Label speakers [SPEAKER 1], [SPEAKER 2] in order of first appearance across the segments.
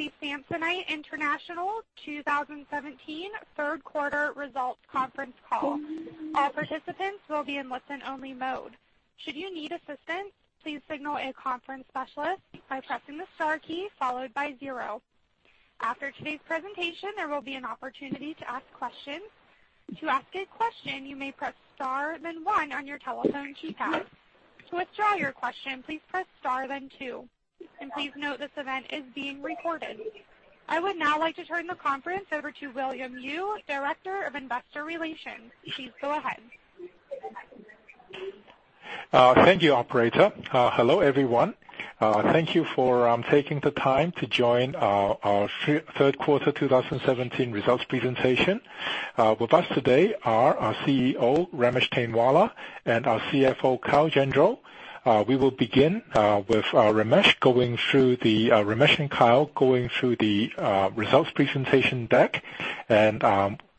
[SPEAKER 1] Good day, and welcome to the Samsonite International 2017 third quarter results conference call. All participants will be in listen-only mode. Should you need assistance, please signal a conference specialist by pressing the star key followed by zero. After today's presentation, there will be an opportunity to ask questions. To ask a question, you may press star then one on your telephone keypad. To withdraw your question, please press star then two. Please note this event is being recorded. I would now like to turn the conference over to William Yue, Director of Investor Relations. Please go ahead.
[SPEAKER 2] Thank you, operator. Hello, everyone. Thank you for taking the time to join our third quarter 2017 results presentation. With us today are our CEO, Ramesh Tainwala, and our CFO, Kyle Gendreau. We will begin with Ramesh and Kyle going through the results presentation deck. When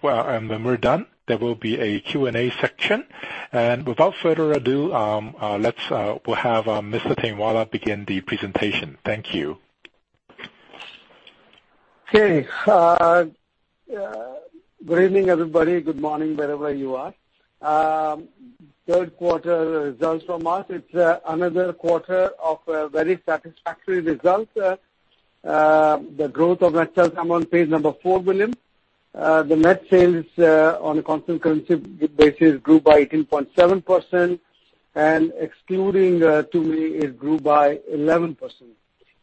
[SPEAKER 2] we are done, there will be a Q&A section. Without further ado, we will have Mr. Tainwala begin the presentation. Thank you.
[SPEAKER 3] Okay. Good evening, everybody. Good morning, wherever you are. Third-quarter results from us. It is another quarter of very satisfactory results. The growth of net sales, I am on page number four, William Yue. The net sales on a constant currency basis grew by 18.7%, and excluding Tumi, it grew by 11%.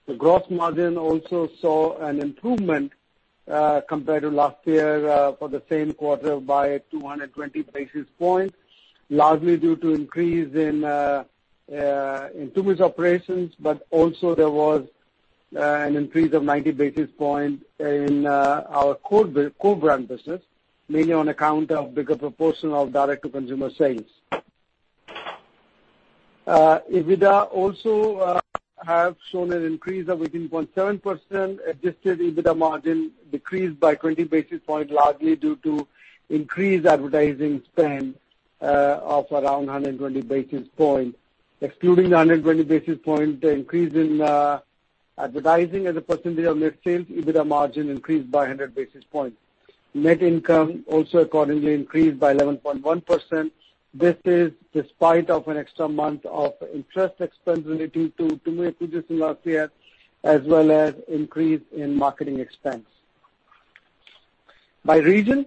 [SPEAKER 3] The gross margin also saw an improvement, compared to last year for the same quarter, by 220 basis points, largely due to increase in Tumi's operations, but also there was an increase of 90 basis points in our core brand business, mainly on account of bigger proportion of direct-to-consumer sales. EBITDA also has shown an increase of 18.7%. Adjusted EBITDA margin decreased by 20 basis points, largely due to increased advertising spend of around 120 basis points. Excluding 120 basis points, the increase in advertising as a percentage of net sales, EBITDA margin increased by 100 basis points. Net income also accordingly increased by 11.1%. This is despite an extra month of interest expense relating to Tumi acquisition last year, as well as increase in marketing expense. By region,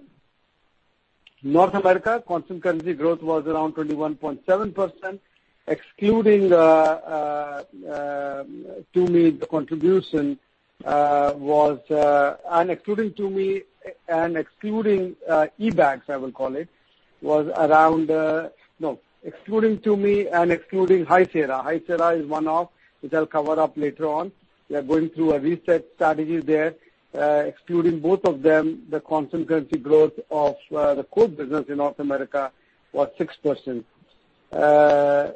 [SPEAKER 3] North America constant currency growth was around 21.7%, excluding Tumi and excluding High Sierra. We are going through a reset strategy there. Excluding both of them, the constant currency growth of the core business in North America was 6%.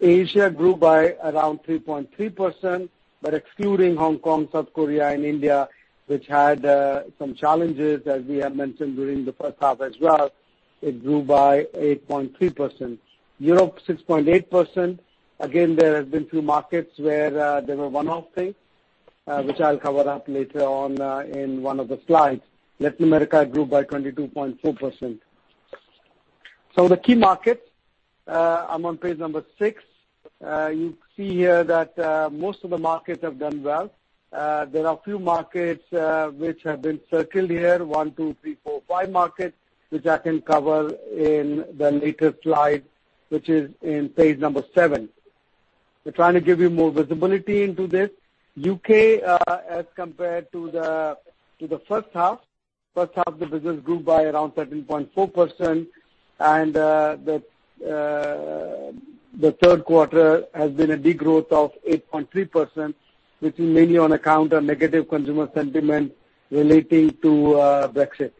[SPEAKER 3] Asia grew by around 3.3%, but excluding Hong Kong, South Korea, and India, which had some challenges, as we have mentioned during the first half as well, it grew by 8.3%. Europe, 6.8%. There have been few markets where there were one-off things, which I'll cover up later on in one of the slides. Latin America grew by 22.4%. The key markets, I'm on page number six. You see here that most of the markets have done well. There are a few markets which have been circled here, one, two, three, four, five markets, which I can cover in the later slide, which is in page number seven. We're trying to give you more visibility into this. U.K., as compared to the first half, first half the business grew by around 13.4%, the third quarter has been a degrowth of 8.3%, which is mainly on account of negative consumer sentiment relating to Brexit.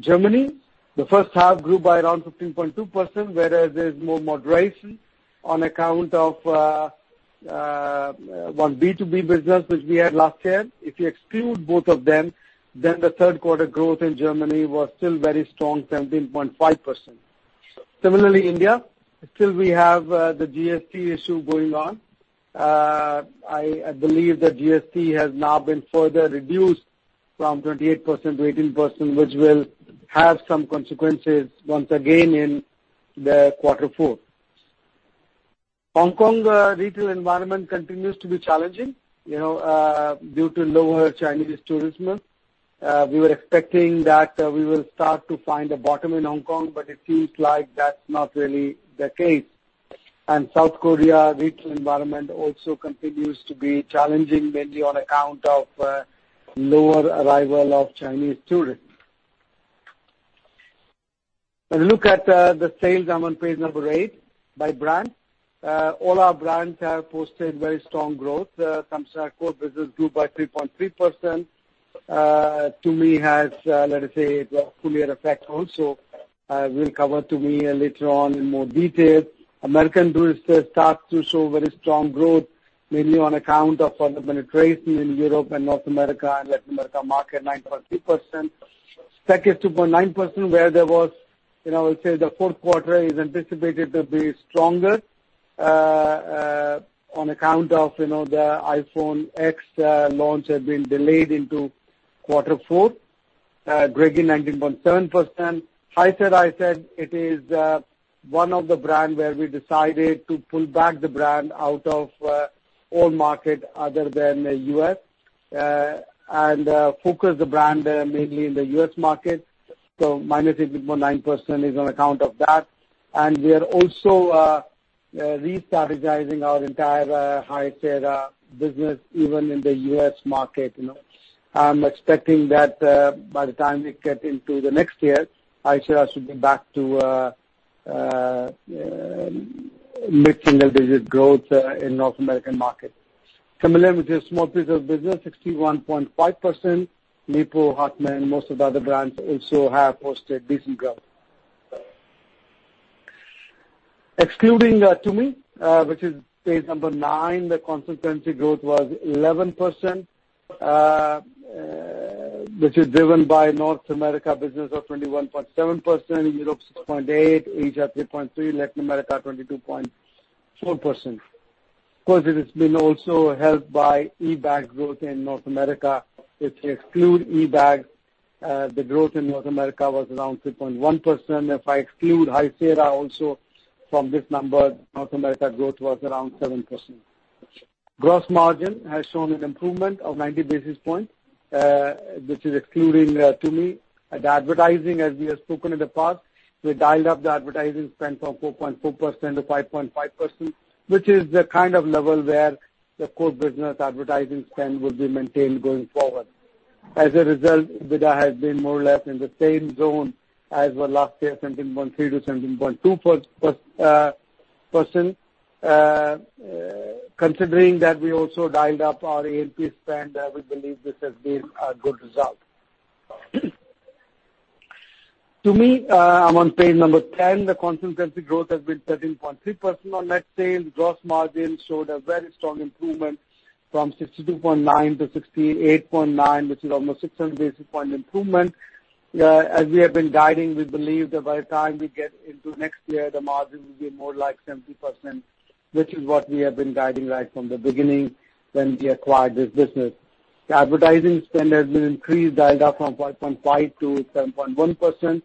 [SPEAKER 3] Germany, the first half grew by around 15.2%, whereas there's more moderation on account of one B2B business which we had last year. If you exclude both of them, the third quarter growth in Germany was still very strong, 17.5%. Similarly, India, still we have the GST issue going on. I believe the GST has now been further reduced from 28% to 18%, which will have some consequences once again in the quarter four. Hong Kong retail environment continues to be challenging due to lower Chinese tourism. We were expecting that we will start to find a bottom in Hong Kong, it seems like that's not really the case. South Korea retail environment also continues to be challenging, mainly on account of lower arrival of Chinese tourists. A look at the sales, I'm on page number eight, by brand. All our brands have posted very strong growth. Samsonite core business grew by 3.3%. Tumi has, let us say, it got full year effect also. We'll cover Tumi later on in more detail. American Tourister starts to show very strong growth, mainly on account of further penetration in Europe and North America and Latin America market, 9.3%. Speck is 2.9%, where there was, I would say the fourth quarter is anticipated to be stronger on account of the iPhone X launch had been delayed into quarter four. Gregory, 19.7%. High Sierra, it is one of the brand where we decided to pull back the brand out of all market other than the U.S., focus the brand mainly in the U.S. market. -6.9% is on account of that. We are also re-strategizing our entire High Sierra business, even in the U.S. market. I'm expecting that by the time we get into the next year, High Sierra should be back to mid-single digit growth in North American market. Samsonite with a small piece of business, 61.5%. Lipault, Hartmann, most of the other brands also have posted decent growth. Excluding Tumi, which is page number nine, the constant currency growth was 11%, which is driven by North America business of 21.7%, Europe 6.8%, Asia 3.3%, Latin America, 22.4%. Of course, it has been also helped by eBags growth in North America. If you exclude eBags, the growth in North America was around 3.1%. If I exclude High Sierra also from this number, North America growth was around 7%. Gross margin has shown an improvement of 90 basis points, which is excluding Tumi. The advertising, as we have spoken in the past, we dialed up the advertising spend from 4.4% to 5.5%, which is the kind of level where the core business advertising spend will be maintained going forward. As a result, EBITDA has been more or less in the same zone as were last year, 17.3%-17.2% considering that we also dialed up our A&P spend, we believe this has been a good result. Tumi, I'm on page number 10. The constant currency growth has been 13.3% on net sales. Gross margin showed a very strong improvement from 62.9%-68.9%, which is almost 600 basis point improvement. As we have been guiding, we believe that by the time we get into next year, the margin will be more like 70%, which is what we have been guiding right from the beginning when we acquired this business. The advertising spend has been increased, dialed up from 5.5%-7.1%.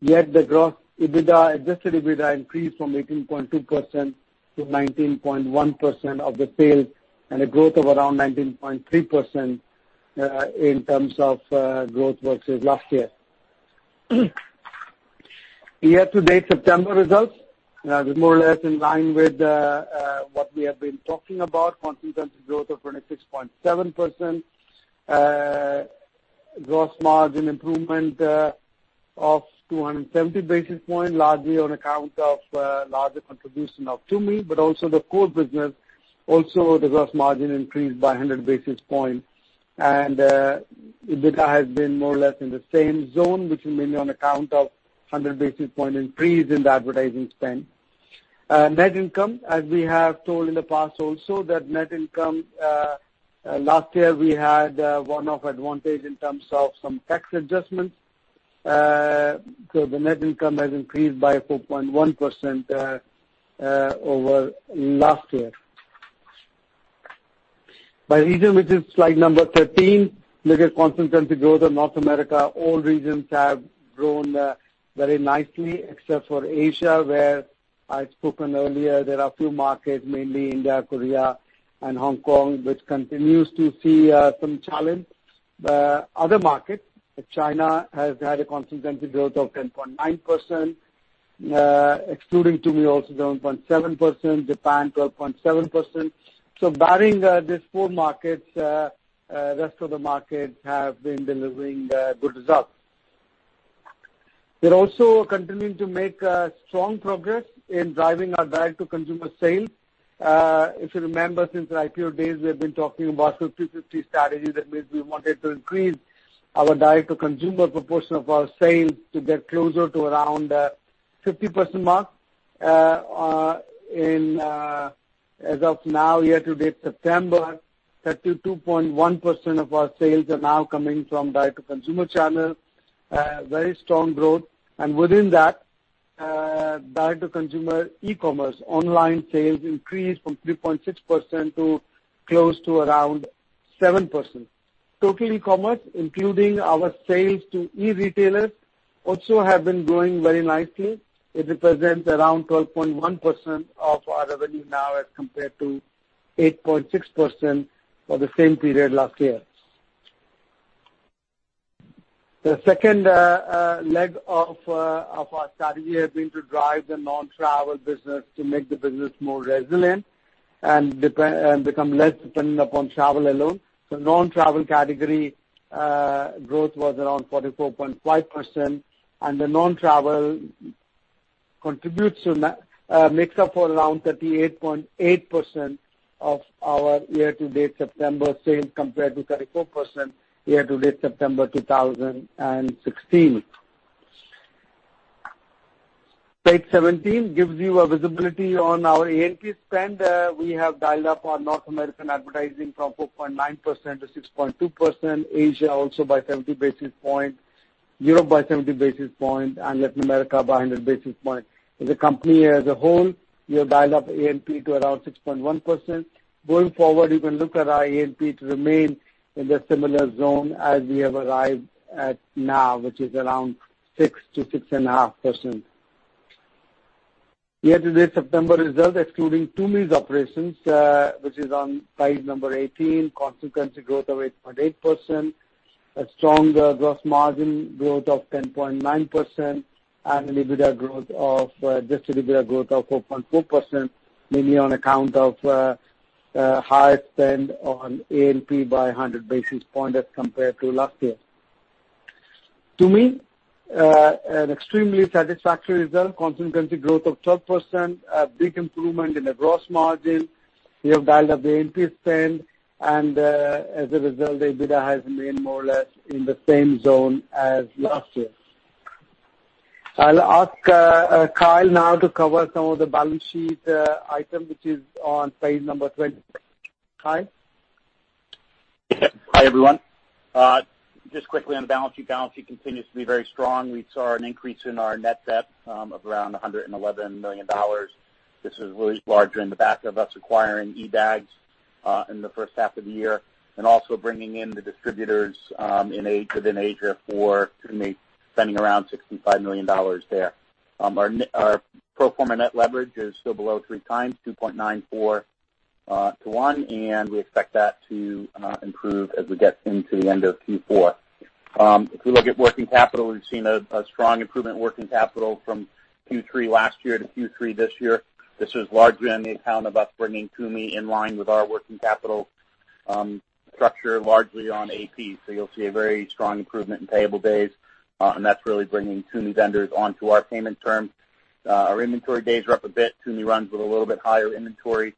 [SPEAKER 3] Yet the gross EBITDA, adjusted EBITDA increased from 18.2%-19.1% of the sales and a growth of around 19.3% in terms of growth versus last year. Year-to-date September results. We're more or less in line with what we have been talking about. Constant currency growth of 26.7%. Gross margin improvement of 270 basis point, largely on account of larger contribution of Tumi, but also the core business. Also, the gross margin increased by 100 basis points. EBITDA has been more or less in the same zone, which is mainly on account of 100 basis point increase in the advertising spend. Net income, as we have told in the past also that net income, last year, we had a one-off advantage in terms of some tax adjustments. The net income has increased by 4.1% over last year. By region, which is slide number 13. Look at constant currency growth of North America. All regions have grown very nicely except for Asia, where I'd spoken earlier, there are few markets, mainly India, Korea, and Hong Kong, which continues to see some challenge. The other markets, China has had a constant currency growth of 10.9%, excluding Tumi, also 11.7%, Japan 12.7%. Barring these four markets, rest of the markets have been delivering good results. We're also continuing to make strong progress in driving our direct-to-consumer sales. If you remember since our IPO days, we have been talking about 50/50 strategy. That means we wanted to increase our direct-to-consumer proportion of our sales to get closer to around 50% mark. As of now, year-to-date September, 32.1% of our sales are now coming from direct-to-consumer channel. Very strong growth. And within that, direct-to-consumer e-commerce, online sales increased from 3.6%-7%. Total e-commerce, including our sales to e-retailers, also have been growing very nicely. It represents around 12.1% of our revenue now as compared to 8.6% for the same period last year. The second leg of our strategy has been to drive the non-travel business to make the business more resilient and become less dependent upon travel alone. Non-travel category growth was around 44.5%, and the non-travel makes up for around 38.8% of our year-to-date September sales compared to 34% year-to-date September 2016. Page 17 gives you visibility on our A&P spend. We have dialed up our North American advertising from 4.9%-6.2%, Asia also by 70 basis points, Europe by 70 basis points, and Latin America by 100 basis points. As a company as a whole, we have dialed up A&P to around 6.1%. Going forward, you can look at our A&P to remain in the similar zone as we have arrived at now, which is around 6%-6.5%. Year-to-date September results, excluding Tumi's operations, which is on page number 18, constant currency growth of 8.8%, a strong gross margin growth of 10.9%, and adjusted EBITDA growth of 4.4%, mainly on account of higher spend on A&P by 100 basis points as compared to last year. Tumi, an extremely satisfactory result, constant currency growth of 12%, a big improvement in the gross margin. We have dialed up the A&P spend and as a result, the EBITDA has remained more or less in the same zone as last year. I'll ask Kyle now to cover some of the balance sheet items, which is on page number 20. Kyle?
[SPEAKER 4] Hi, everyone. Just quickly on the balance sheet. Balance sheet continues to be very strong. We saw an increase in our net debt of around $111 million. This is really larger in the back of us acquiring eBags in the first half of the year, and also bringing in the distributors within Asia for Tumi, spending around $65 million there. Our pro forma net leverage is still below three times, 2.94 to one, and we expect that to improve as we get into the end of Q4. If we look at working capital, we've seen a strong improvement in working capital from Q3 last year to Q3 this year. This was largely on the account of us bringing Tumi in line with our working capital structure, largely on AP. You'll see a very strong improvement in payable days, and that's really bringing Tumi vendors onto our payment terms. Our inventory days are up a bit. Tumi runs with a little bit higher inventory,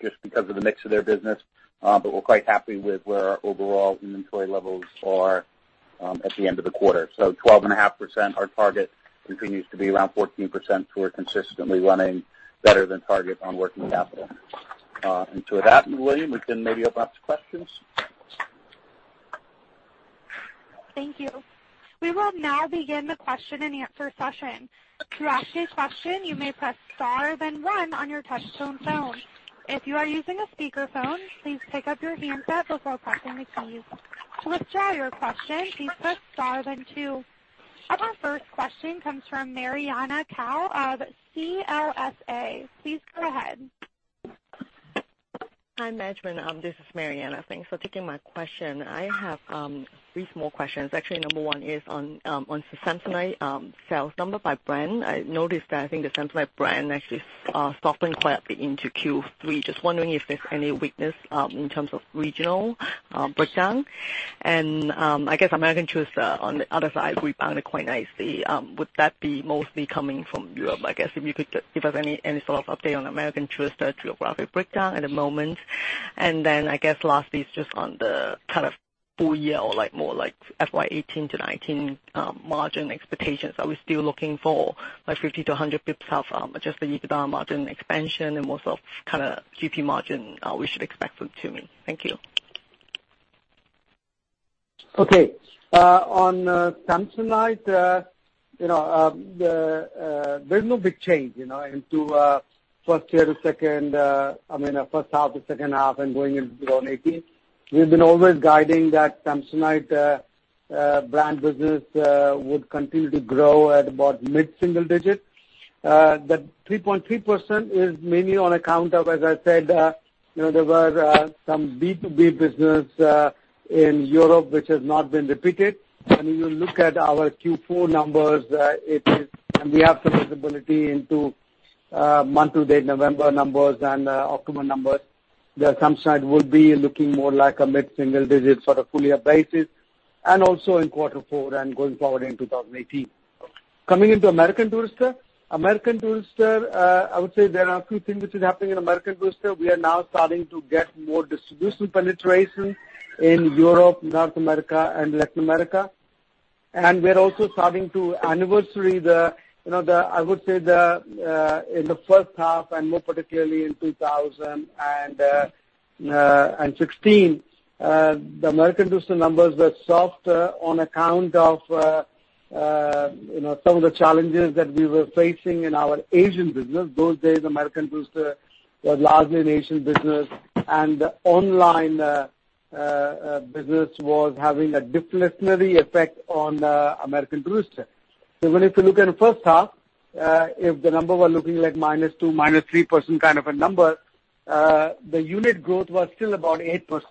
[SPEAKER 4] just because of the mix of their business. We're quite happy with where our overall inventory levels are at the end of the quarter. 12.5%, our target continues to be around 14%, we're consistently running better than target on working capital. To that, William, we can maybe open up to questions.
[SPEAKER 1] Thank you. We will now begin the question-and-answer session. To ask a question, you may press star, then one on your touchtone phone. If you are using a speakerphone, please pick up your handset before pressing the keys. To withdraw your question, please press star then two. Our first question comes from Mariana Kao of CLSA. Please go ahead.
[SPEAKER 5] Hi, management. This is Mariana. Thanks for taking my question. I have three small questions. Actually, number 1 is on Samsonite sales number by brand. I noticed that I think the Samsonite brand actually softened quite a bit into Q3. Just wondering if there's any weakness in terms of regional breakdown. I guess American Tourister on the other side rebounded quite nicely. Would that be mostly coming from Europe? I guess if you could give us any sort of update on American Tourister geographic breakdown at the moment. I guess lastly is just on the full year or more like FY 2018 to 2019 margin expectations. Are we still looking for 50 to 100 basis points of adjusted EBITDA margin expansion and more so GP margin we should expect from Tumi? Thank you.
[SPEAKER 3] Okay. On Samsonite, there's no big change into first half to second half and going into 2018. We've been always guiding that Samsonite brand business would continue to grow at about mid-single digits. That 3.3% is mainly on account of, as I said, there were some B2B business in Europe which has not been repeated. When you look at our Q4 numbers, we have some visibility into month-to-date November numbers and October numbers, the Samsonite would be looking more like a mid-single digit sort of full year basis and also in quarter four and going forward into 2018. Coming into American Tourister. American Tourister, I would say there are two things which is happening in American Tourister. We are now starting to get more distribution penetration in Europe, North America, and Latin America. We are also starting to anniversary the, I would say in the first half and more particularly in 2016, the American Tourister numbers were soft on account of some of the challenges that we were facing in our Asian business. Those days, American Tourister was largely an Asian business, the online business was having a discretionary effect on American Tourister. Even if you look in the first half, if the number were looking like -2%, -3% kind of a number, the unit growth was still about 8%.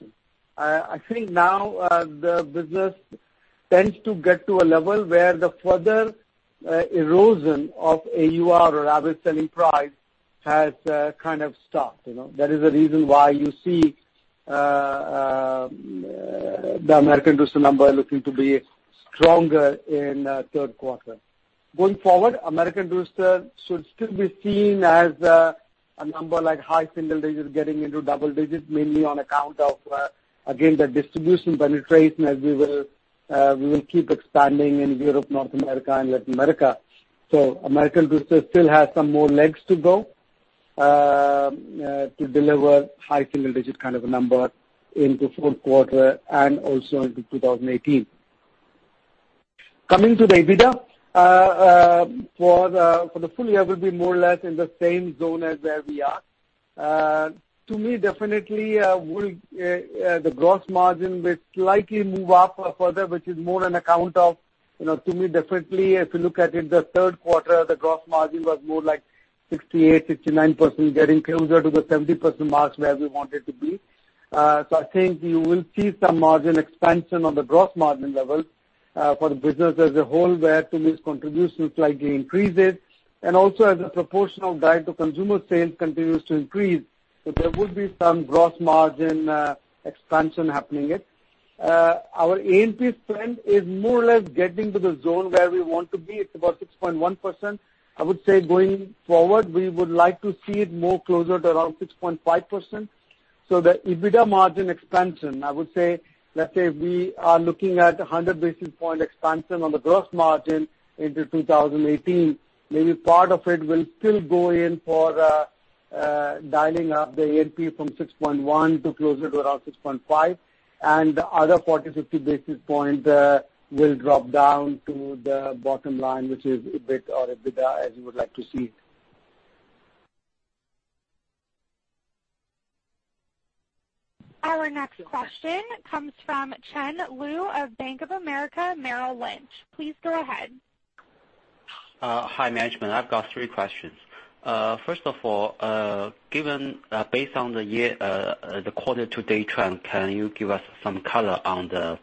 [SPEAKER 3] I think now the business tends to get to a level where the further erosion of AUR or average selling price has kind of stopped. That is the reason why you see the American Tourister number looking to be stronger in third quarter. Going forward, American Tourister should still be seen as a number like high single digits getting into double digits, mainly on account of, again, the distribution penetration as we will keep expanding in Europe, North America and Latin America. American business still has some more legs to go, to deliver high single digit kind of a number into fourth quarter and also into 2018. Coming to the EBITDA, for the full year, will be more or less in the same zone as where we are. Tumi, definitely, the gross margin will slightly move up further, which is more on account of Tumi, definitely. If you look at it, the third quarter, the gross margin was more like 68%, 69%, getting closer to the 70% mark where we wanted to be. I think you will see some margin expansion on the gross margin levels for the business as a whole, where Tumi's contribution slightly increases, and also as a proportion of direct-to-consumer sales continues to increase. There would be some gross margin expansion happening here. Our A&P trend is more or less getting to the zone where we want to be. It's about 6.1%. I would say going forward, we would like to see it more closer to around 6.5%. The EBITDA margin expansion, I would say, let's say we are looking at 100 basis point expansion on the gross margin into 2018. Maybe part of it will still go in for dialing up the A&P from 6.1 to closer to around 6.5. The other 40, 50 basis points will drop down to the bottom line, which is EBIT or EBITDA, as you would like to see it.
[SPEAKER 1] Our next question comes from Chen Lu of Bank of America Merrill Lynch. Please go ahead.
[SPEAKER 6] Hi, management. I've got three questions. First of all, based on the quarter-to-date trend, can you give us some color on the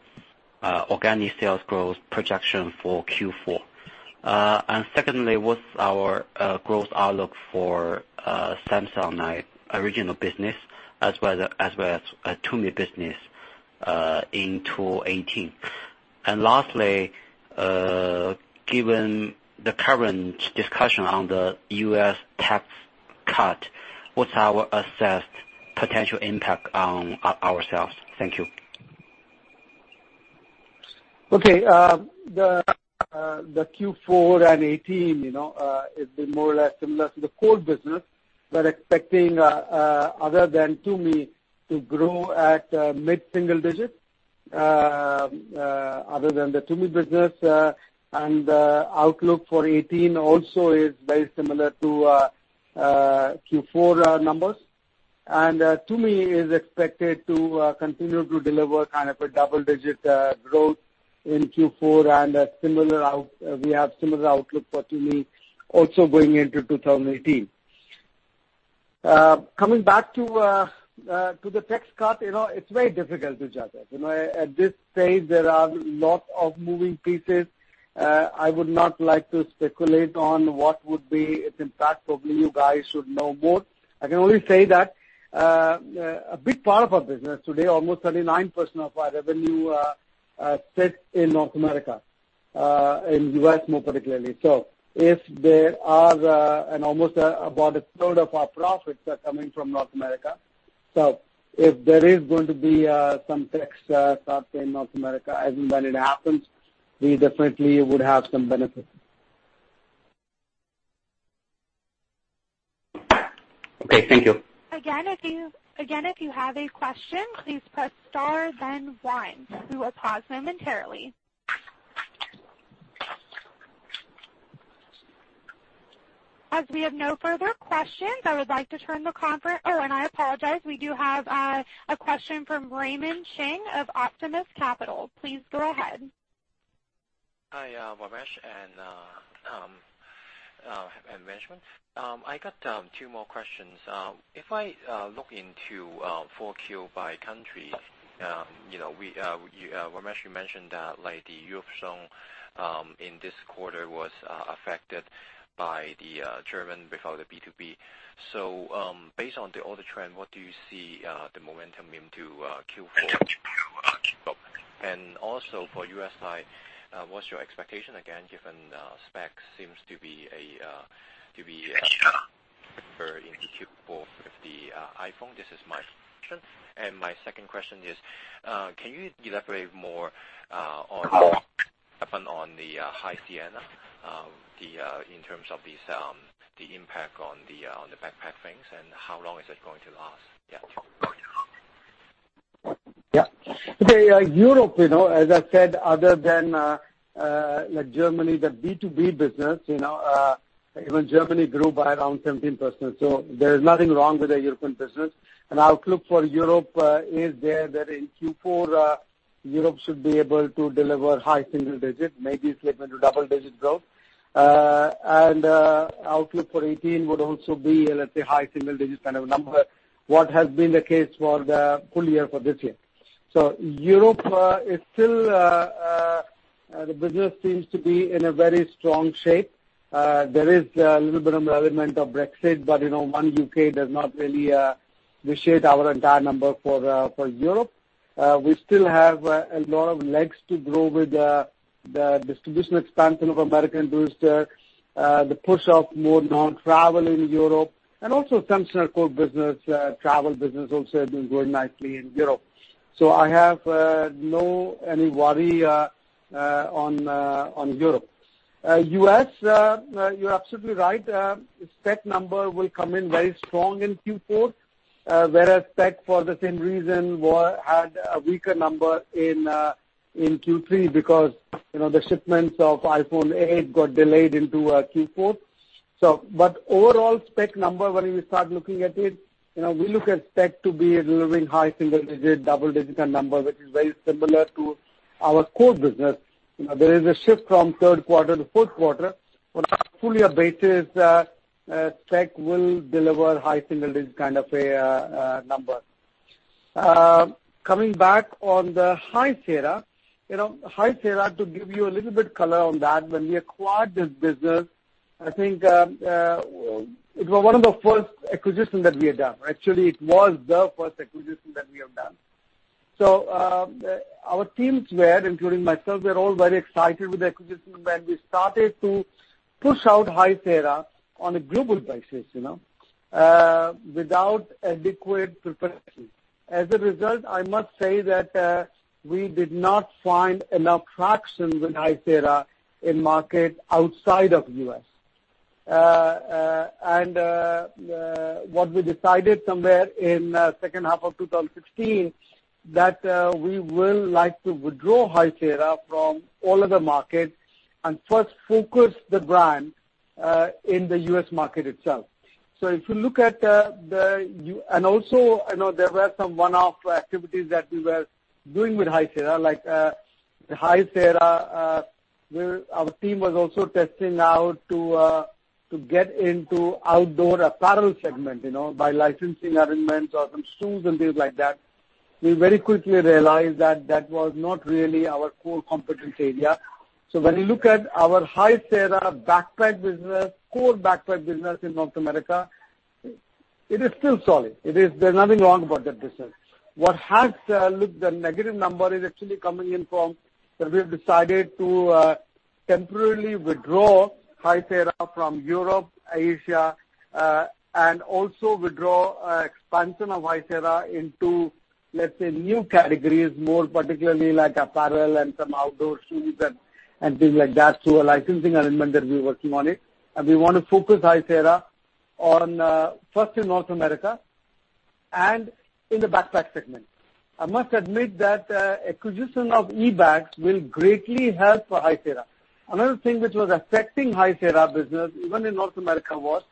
[SPEAKER 6] organic sales growth projection for Q4? Secondly, what's our growth outlook for Samsonite original business as well as Tumi business in 2018? Lastly, given the current discussion on the U.S. tax cut, what's our assessed potential impact on ourselves? Thank you.
[SPEAKER 3] Okay. The Q4 and 2018 is more or less similar to the core business. We're expecting other than Tumi to grow at mid-single digits, other than the Tumi business. The outlook for 2018 also is very similar to Q4 numbers. Tumi is expected to continue to deliver a double-digit growth in Q4, and we have similar outlook for Tumi also going into 2018. Coming back to the tax cut, it's very difficult to judge it. At this stage, there are lots of moving pieces. I would not like to speculate on what would be its impact. Probably you guys should know more. I can only say that a big part of our business today, almost 39% of our revenue, sits in North America, in U.S. more particularly. Almost about a third of our profits are coming from North America. If there is going to be some tax cut in North America, and when it happens, we definitely would have some benefit.
[SPEAKER 6] Okay. Thank you.
[SPEAKER 1] Again, if you have a question, please press star then one. We will pause momentarily. As we have no further questions, I would like to turn the confer. Oh, I apologize. We do have a question from Raymond Ching of Optimus Capital. Please go ahead.
[SPEAKER 7] Hi, Ramesh and management. I got two more questions. If I look into 4Q by country, Ramesh, you mentioned that the Europe zone in this quarter was affected by the German, because of the B2B. Based on the order trend, what do you see the momentum into Q4? Also for U.S. side, what's your expectation again, given Speck seems to be very into Q4 with the iPhone? This is my first question. My second question is, can you elaborate more on what happened on the High Sierra, in terms of the impact on the backpack things, and how long is it going to last? Yeah.
[SPEAKER 3] Yeah. Okay. Europe, as I said, other than Germany, the B2B business, even Germany grew by around 17%. There's nothing wrong with the European business. Outlook for Europe is there that in Q4, Europe should be able to deliver high single digits, maybe slip into double-digit growth. Outlook for 2018 would also be, let's say, high single digits kind of a number, what has been the case for the full year for this year. Europe the business seems to be in a very strong shape. There is a little bit of element of Brexit, but one U.K. does not really vitiate our entire number for Europe. We still have a lot of legs to grow with the distribution expansion of American Tourister, the push of more non-travel in Europe, and also some core business, travel business also doing well nicely in Europe. I have no worry on Europe. U.S., you're absolutely right. Tech number will come in very strong in Q4, whereas Speck, for the same reason, had a weaker number in Q3 because the shipments of iPhone 8 got delayed into Q4. Overall Speck number, when we start looking at it, we look at Speck to be delivering high single digit, double-digit number, which is very similar to our core business. There is a shift from third quarter to fourth quarter. On a full year basis, Speck will deliver high single digit kind of a number. Coming back on the High Sierra. High Sierra, to give you a little bit color on that, when we acquired this business, I think it was one of the first acquisitions that we had done. Actually, it was the first acquisition that we have done. Our teams were, including myself, we're all very excited with the acquisition when we started to push out High Sierra on a global basis without adequate preparation. As a result, I must say that we did not find enough traction with High Sierra in market outside of U.S. What we decided somewhere in second half of 2016, that we will like to withdraw High Sierra from all other markets and first focus the brand in the U.S. market itself. Also, I know there were some one-off activities that we were doing with High Sierra, like High Sierra, our team was also testing out to get into outdoor apparel segment, by licensing arrangements or some shoes and things like that. We very quickly realized that that was not really our core competence area. When you look at our High Sierra backpack business, core backpack business in North America, it is still solid. There's nothing wrong about that business. What has looked the negative number is actually coming in from, that we have decided to temporarily withdraw High Sierra from Europe, Asia, and also withdraw expansion of High Sierra into new categories, more particularly apparel and some outdoor shoes through a licensing arrangement that we're working on it. We want to focus High Sierra on first in North America and in the backpack segment. I must admit that acquisition of eBags will greatly help for High Sierra. Another thing which was affecting High Sierra business, even in North America, was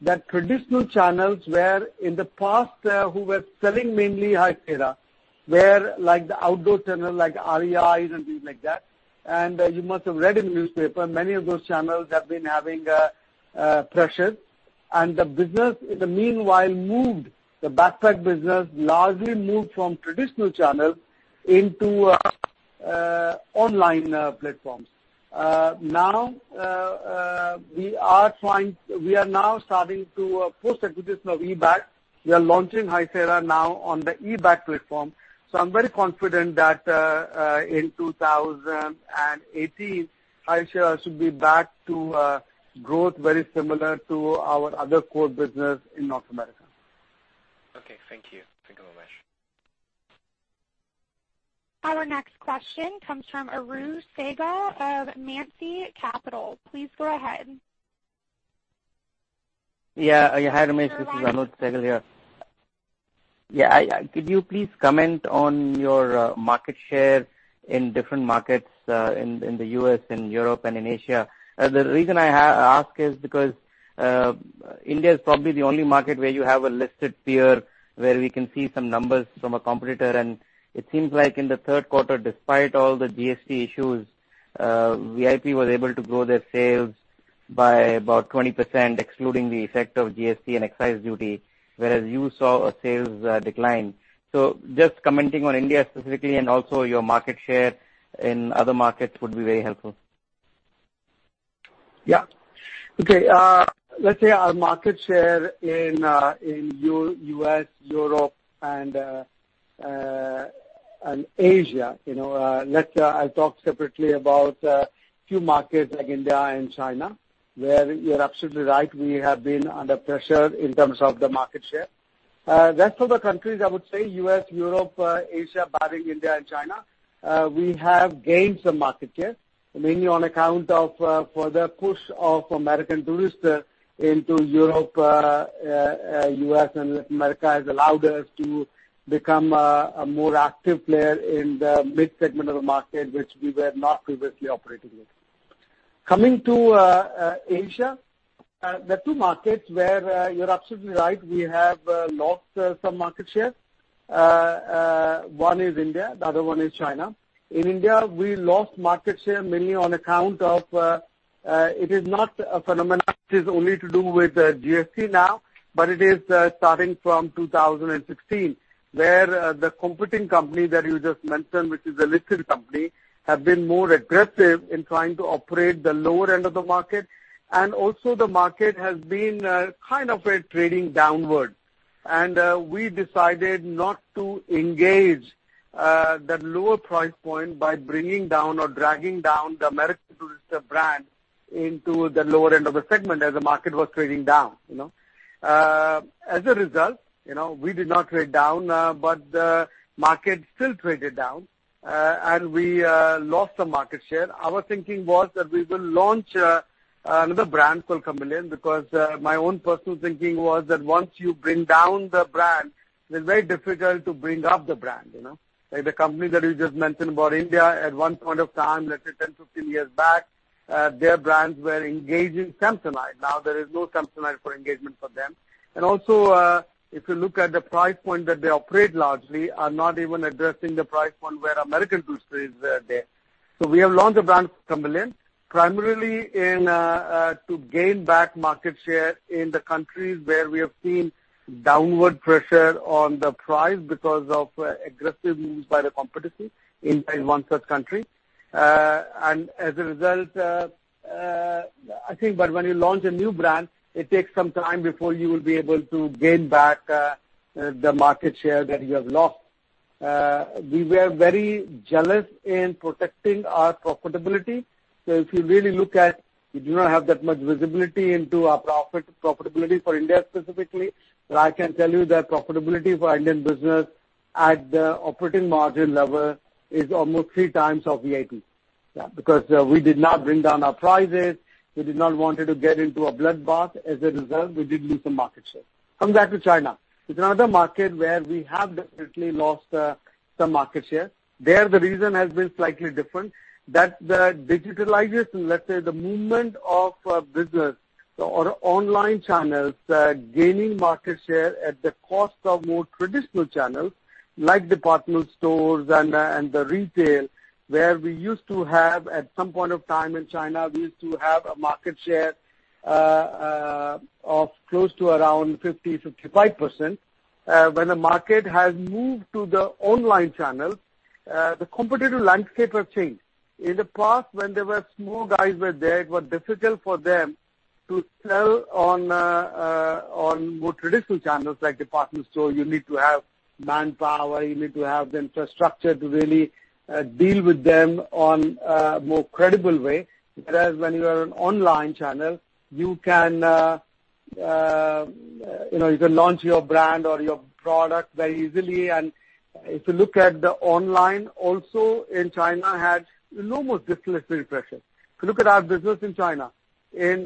[SPEAKER 3] that traditional channels where in the past who were selling mainly High Sierra, where the outdoor channel, REI, and you must have read in the newspaper, many of those channels have been having pressures. The business, in the meanwhile, moved. The backpack business largely moved from traditional channels into online platforms. Now, we are trying. We are now starting to, post-acquisition of eBags, we are launching High Sierra now on the eBags platform. I'm very confident that in 2018, High Sierra should be back to growth very similar to our other core business in North America.
[SPEAKER 7] Okay. Thank you. Thank you, Ramesh.
[SPEAKER 1] Our next question comes from Aru Saigal of Nancy Capital. Please go ahead.
[SPEAKER 8] Hi, Ramesh. This is Aru Saigal here.
[SPEAKER 1] Sir, go on.
[SPEAKER 8] Could you please comment on your market share in different markets in the U.S. and Europe and in Asia? The reason I ask is because India is probably the only market where you have a listed peer, where we can see some numbers from a competitor, it seems like in the third quarter, despite all the GST issues, VIP was able to grow their sales by about 20%, excluding the effect of GST and excise duty, whereas you saw a sales decline. Just commenting on India specifically and also your market share in other markets would be very helpful.
[SPEAKER 3] Let's say our market share in U.S., Europe, and Asia. I'll talk separately about a few markets like India and China, where you're absolutely right, we have been under pressure in terms of the market share. Rest of the countries, I would say U.S., Europe, Asia, barring India and China, we have gained some market share, mainly on account of further push of American Tourister into Europe, U.S., and Latin America has allowed us to become a more active player in the mid segment of the market, which we were not previously operating with. Coming to Asia, there are two markets where you're absolutely right, we have lost some market share. One is India, the other one is China. In India, we lost market share mainly on account of, it is not a phenomenon which is only to do with GST now, but it is starting from 2016, where the competing company that you just mentioned, which is a listed company, have been more aggressive in trying to operate the lower end of the market. Also the market has been kind of a trading downward. We decided not to engage the lower price point by bringing down or dragging down the American Tourister brand into the lower end of the segment as the market was trading down. As a result, we did not trade down, but the market still traded down, and we lost some market share. Our thinking was that we will launch another brand called Kamiliant, because my own personal thinking was that once you bring down the brand, it's very difficult to bring up the brand. Like the company that you just mentioned about India, at one point of time, let's say 10, 15 years back, their brands were engaged in Samsonite. Now there is no Samsonite for engagement for them. Also, if you look at the price point that they operate largely are not even addressing the price point where American Tourister is there. We have launched the brand Kamiliant primarily to gain back market share in the countries where we have seen downward pressure on the price because of aggressive moves by the competitor in one such country. As a result, I think when you launch a new brand, it takes some time before you will be able to gain back the market share that you have lost. We were very jealous in protecting our profitability. If you really look at, we do not have that much visibility into our profitability for India specifically. I can tell you that profitability for Indian business at the operating margin level is almost three times of VIP. We did not bring down our prices. We did not want to get into a bloodbath. As a result, we did lose some market share. Coming back to China, it's another market where we have definitely lost some market share. There, the reason has been slightly different. The digitalization, let's say the movement of business or online channels gaining market share at the cost of more traditional channels like department stores and the retail, where we used to have, at some point of time in China, we used to have a market share of close to around 50%-55%. When the market has moved to the online channel, the competitive landscape has changed. In the past, when there were small guys were there, it was difficult for them to sell on more traditional channels like department store. You need to have manpower, you need to have the infrastructure to really deal with them on a more credible way. Whereas when you are an online channel, you can launch your brand or your product very easily. If you look online, China also had almost disciplinary pressure. If you look at our business in China, in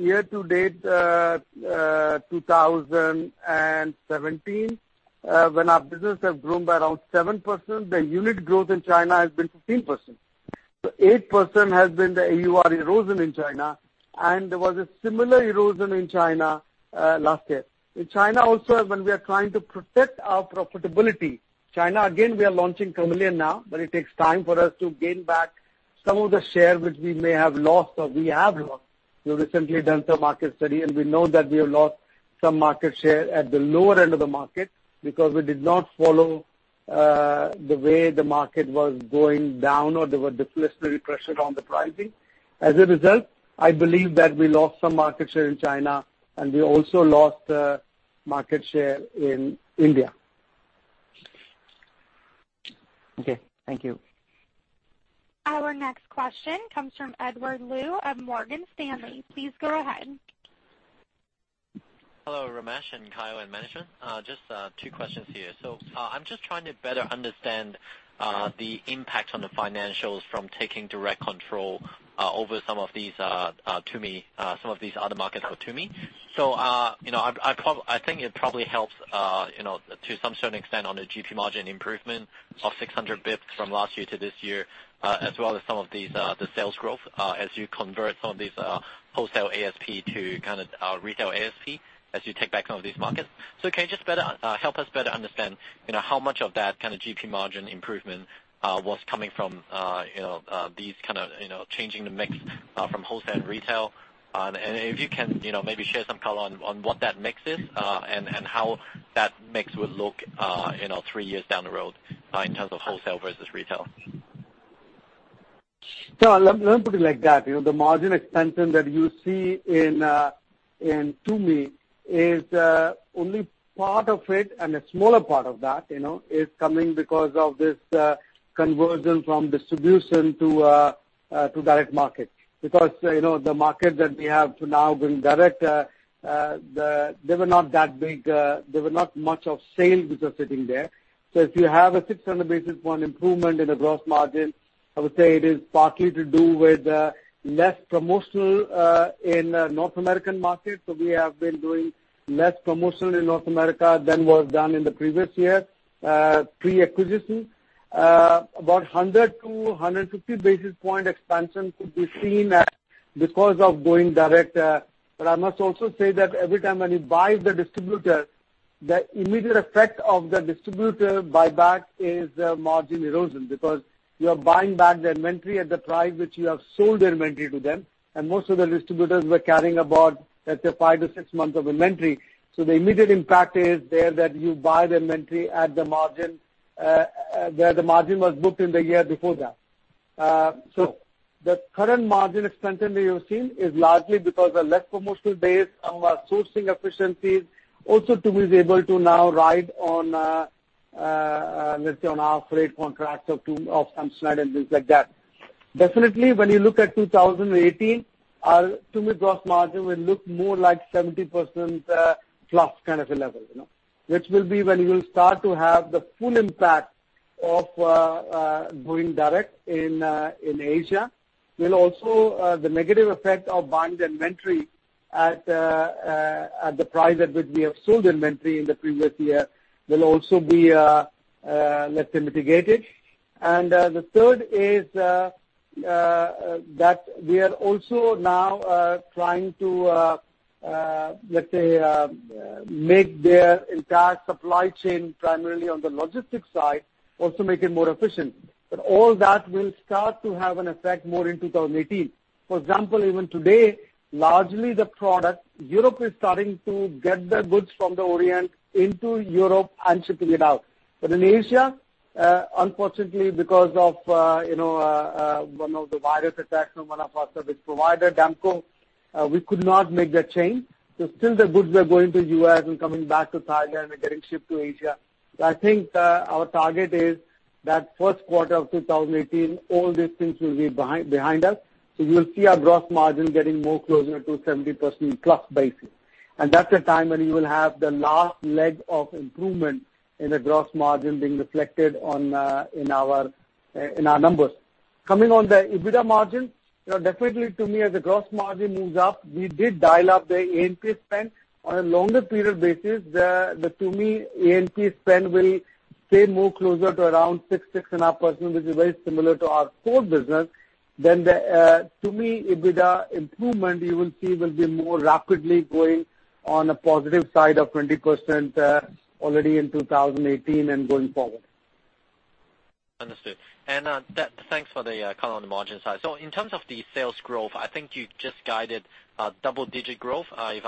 [SPEAKER 3] year-to-date 2017, when our business has grown by around 7%, the unit growth in China has been 15%. 8% has been the AUR erosion in China, and there was a similar erosion in China last year. In China also, when we are trying to protect our profitability, China, again, we are launching Kamiliant now, but it takes time for us to gain back some of the share which we may have lost or we have lost. We've recently done some market study, and we know that we have lost some market share at the lower end of the market because we did not follow the way the market was going down or there were disciplinary pressure on the pricing. As a result, I believe that we lost some market share in China, and we also lost market share in India.
[SPEAKER 8] Okay. Thank you.
[SPEAKER 1] Our next question comes from Edward Lu of Morgan Stanley. Please go ahead.
[SPEAKER 9] Hello, Ramesh and Kyle and management. I'm just trying to better understand the impact on the financials from taking direct control over some of these other markets for Tumi. I think it probably helps to some certain extent on the GP margin improvement of 600 basis points from last year to this year, as well as some of the sales growth as you convert some of these wholesale ASP to retail ASP as you take back some of these markets. Can you just help us better understand how much of that kind of GP margin improvement was coming from these changing the mix from wholesale to retail? And if you can maybe share some color on what that mix is and how that mix would look three years down the road in terms of wholesale versus retail.
[SPEAKER 3] Let me put it like that. The margin expansion that you see in Tumi is only part of it, and a smaller part of that is coming because of this conversion from distribution to direct market. The markets that we have now going direct, they were not that big. There were not much of sales which are sitting there. If you have a 600 basis point improvement in the gross margin, I would say it is partly to do with less promotional in North American markets. We have been doing less promotion in North America than was done in the previous year, pre-acquisition. About 100 to 150 basis point expansion could be seen as because of going direct. I must also say that every time when you buy the distributor, the immediate effect of the distributor buyback is margin erosion because you are buying back the inventory at the price which you have sold inventory to them. Most of the distributors were carrying about, let's say, five to six months of inventory. The immediate impact is there that you buy the inventory at the margin where the margin was booked in the year before that. The current margin expansion that you're seeing is largely because of a less promotional base, some of our sourcing efficiencies, also Tumi is able to now ride on our freight contracts of Samsonite and things like that. When you look at 2018, our Tumi gross margin will look more like 70% plus kind of a level. Which will be when you will start to have the full impact of going direct in Asia. The negative effect of buying the inventory at the price at which we have sold inventory in the previous year will also be let's say, mitigated. The third is that we are also now trying to, let's say, make their entire supply chain primarily on the logistics side, also make it more efficient. All that will start to have an effect more in 2018. Even today, largely the product, Europe is starting to get their goods from the Orient into Europe and shipping it out. In Asia, unfortunately, because of one of the virus attacks from one of our service provider, Damco, we could not make that change. Still the goods were going to U.S. and coming back to Thailand and getting shipped to Asia. I think our target is that first quarter of 2018, all these things will be behind us. You'll see our gross margin getting more closer to 70% plus basis. That's the time when you will have the last leg of improvement in the gross margin being reflected in our numbers. Coming on the EBITDA margin, definitely to me, as the gross margin moves up, we did dial up the A&P spend. On a longer period basis, the Tumi A&P spend will stay more closer to around 6%-6.5%, which is very similar to our core business. The Tumi EBITDA improvement you will see will be more rapidly going on a positive side of 20% already in 2018 and going forward.
[SPEAKER 9] Understood. Thanks for the color on the margin side. In terms of the sales growth, I think you just guided double-digit growth, if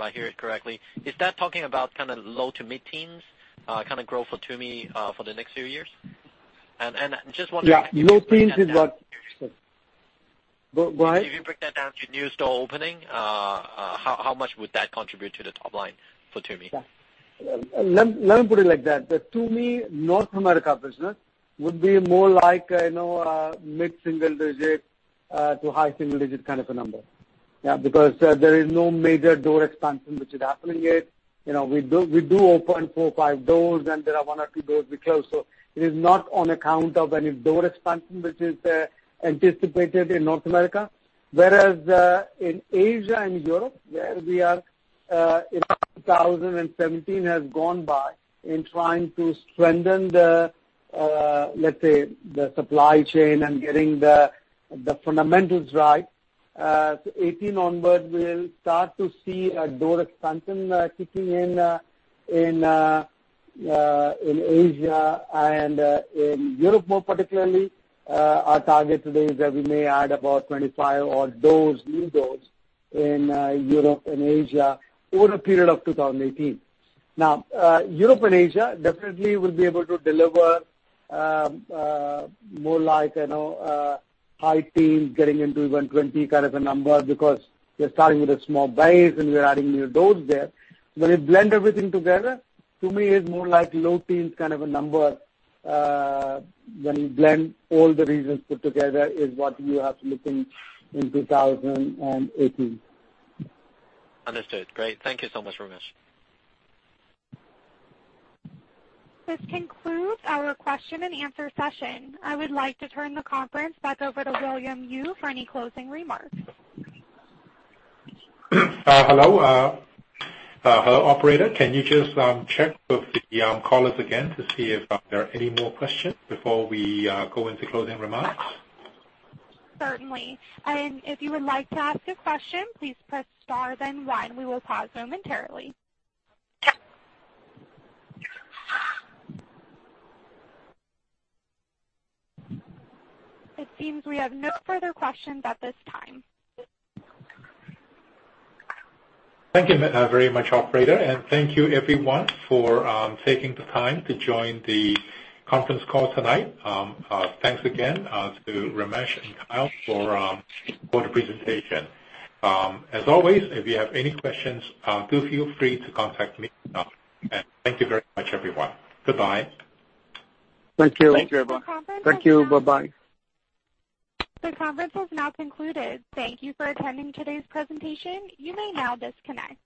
[SPEAKER 9] I hear it correctly. Is that talking about low to mid-teens growth for Tumi for the next few years?
[SPEAKER 3] Low teens is what Why?
[SPEAKER 9] If you break that down to new store opening, how much would that contribute to the top line for Tumi?
[SPEAKER 3] Let me put it like that. The Tumi North America business would be more like mid-single digit to high single digit kind of a number. There is no major door expansion which is happening yet. We do open 4, 5 doors, and there are 1 or 2 doors we close. It is not on account of any door expansion which is anticipated in North America. Whereas, in Asia and Europe, where we are, 2017 has gone by in trying to strengthen the supply chain and getting the fundamentals right. 2018 onwards, we'll start to see a door expansion kicking in Asia and in Europe more particularly. Our target today is that we may add about 25 odd doors, new doors, in Europe and Asia over a period of 2018. Europe and Asia definitely will be able to deliver more like high teens getting into even 20 kind of a number because we are starting with a small base and we are adding new doors there. When you blend everything together, Tumi is more like low teens kind of a number. When you blend all the regions put together is what you have to look in 2018.
[SPEAKER 9] Understood. Great. Thank you so much, Ramesh.
[SPEAKER 1] This concludes our question and answer session. I would like to turn the conference back over to William Yue for any closing remarks.
[SPEAKER 2] Hello. Operator, can you just check with the callers again to see if there are any more questions before we go into closing remarks?
[SPEAKER 1] Certainly. If you would like to ask a question, please press star then one. We will pause momentarily. It seems we have no further questions at this time.
[SPEAKER 2] Thank you very much, operator, and thank you everyone for taking the time to join the conference call tonight. Thanks again to Ramesh and Kyle for the presentation. As always, if you have any questions, feel free to contact me. Thank you very much, everyone. Goodbye.
[SPEAKER 3] Thank you.
[SPEAKER 2] Thank you, everyone.
[SPEAKER 3] Thank you. Bye-bye.
[SPEAKER 1] The conference has now concluded. Thank you for attending today's presentation. You may now disconnect.